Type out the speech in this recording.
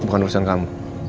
bukan urusan kamu